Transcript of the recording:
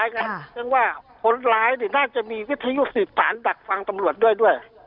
คนร้ายนี่น่าจะมีวิทยุสิทธิ์สารดักฟังตำรวจด้วยด้วย